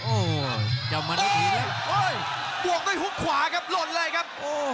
โอ้ยบวกด้วยฮุกขวาครับหล่นเลยครับ